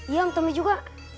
iya om tommy juga